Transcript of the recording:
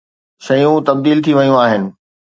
شيون تبديل ٿي ويون آهن.